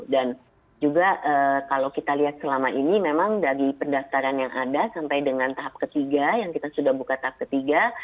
dan juga kalau kita lihat selama ini memang dari pendaftaran yang ada sampai dengan tahap ketiga yang kita sudah buka tahap ketiga